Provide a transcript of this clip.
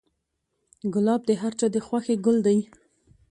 ګلاب د هر چا د خوښې ګل دی.